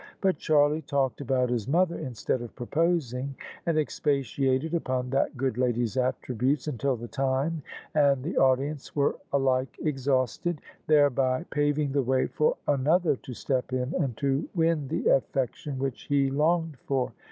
But Charlie talked about his mother instead of proposing, and expatiated upon that good lady's attributes until the time and the audience were alike exhausted : thereby paving the way for another to step in and to win the affec tion which he longed for.